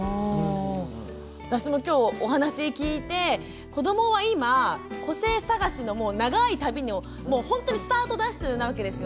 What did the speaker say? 私もきょうお話聞いて子どもは今個性探しの長い旅のもうほんとにスタートダッシュなわけですよね。